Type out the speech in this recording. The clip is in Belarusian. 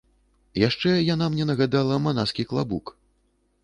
Яшчэ яна мне нагадала манаскі клабук.